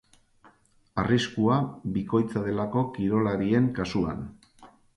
Arriskua bikoitza delako kirolarien kasuan.